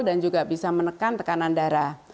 dan juga bisa menekan tekanan darah